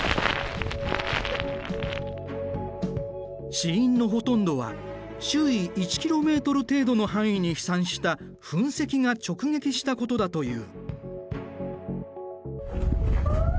死因のほとんどは周囲１ｋｍ程度の範囲に飛散した噴石が直撃したことだという。